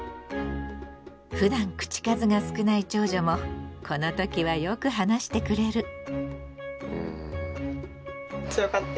ふだん口数が少ない長女もこの時はよく話してくれる。